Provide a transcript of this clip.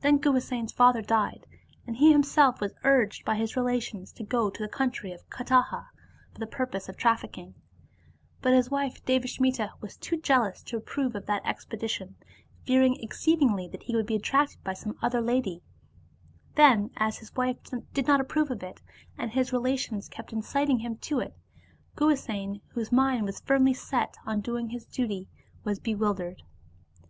Then Guhasena's father died, and he himself was urged by his relations to go to the country of Kataha for the purpose of trafiicking; but his wife Devasmita was too jealous to approve of that expedi tion, fearing exceedingly that he would be attracted by some other lady* Then, as his wife did not approve of it, and his relations kept inciting him to it, Guhasena, whose mind was firmly set on doing his duty, was bewildered.